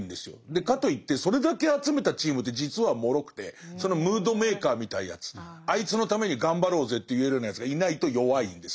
かといってそれだけ集めたチームって実はもろくてそのムードメーカーみたいなやつあいつのために頑張ろうぜって言えるようなやつがいないと弱いんですね。